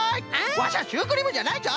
ワシャシュークリームじゃないぞ！